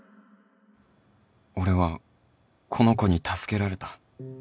俺はこの子に助けられた